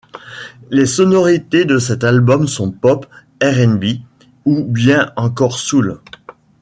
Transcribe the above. Les sonorités de cet album sont pop, R&B ou bien encore soul.